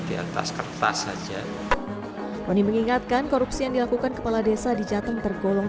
di atas kertas saja oni mengingatkan korupsi yang dilakukan kepala desa di jateng tergolong